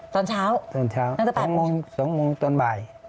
ตอนเช้านั่นเกลียด๒โมงต้นบ่าย